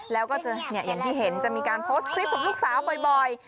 แล้วก็จะอย่างที่เห็นจะมีการโพสต์คลิปกับลูกสาวบ่อย